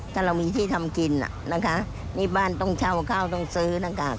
ถ้าเรามีที่ทำกินนี่บ้านต้องเช่าข้าวต้องซื้อนะคะ